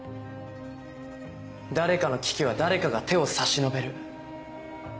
誰かの危機は誰かが手を差し伸べる。